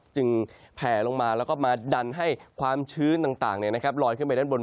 แผ่ลงมาแล้วก็มาดันให้ความชื้นต่างลอยขึ้นไปด้านบน